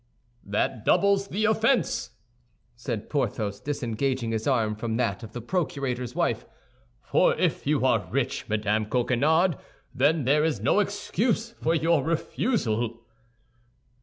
"That doubles the offense," said Porthos, disengaging his arm from that of the procurator's wife; "for if you are rich, Madame Coquenard, then there is no excuse for your refusal."